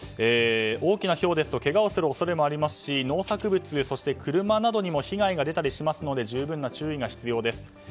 大きなひょうですとけがをする恐れもありますし農作物、そして車などにも被害が出たりしますので十分な注意が必要です。